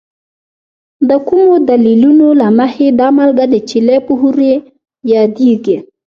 د کومو دلیلونو له مخې دا مالګه د چیلي په ښورې یادیږي؟